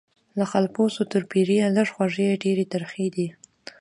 له خالپوڅو تر پیریه لږ خوږې ډیري ترخې دي